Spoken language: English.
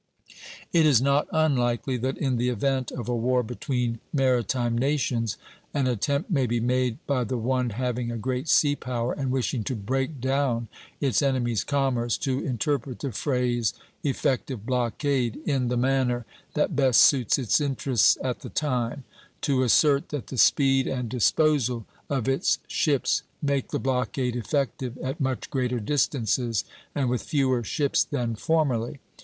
It is not unlikely that, in the event of a war between maritime nations, an attempt may be made by the one having a great sea power and wishing to break down its enemy's commerce, to interpret the phrase "effective blockade" in the manner that best suits its interests at the time; to assert that the speed and disposal of its ships make the blockade effective at much greater distances and with fewer ships than formerly.